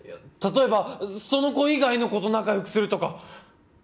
例えばその子以外の子と仲良くするとか。